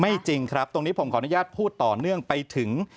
จริงครับตรงนี้ผมขออนุญาตพูดต่อเนื่องไปถึง